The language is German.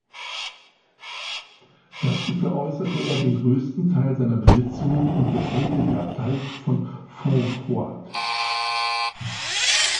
Dazu veräußerte er den größten Teil seiner Besitzungen und beschenkte die Abtei von Fontfroide.